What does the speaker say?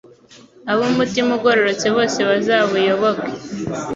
ab’umutima ugororotse bose bazabuyoboke